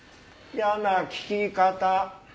嫌な聞き方！